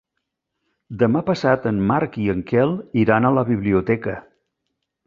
Demà passat en Marc i en Quel iran a la biblioteca.